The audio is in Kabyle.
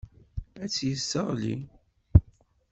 Ad tt-yesseɣli.